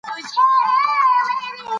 پسه د افغان ماشومانو د زده کړې موضوع ده.